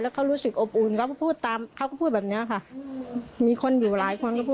แล้วเขารู้สึกอบอุ่นเขาก็พูดแบบนี้ค่ะ